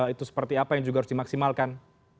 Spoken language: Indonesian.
itu seperti apa yang juga harus dimaksimalkan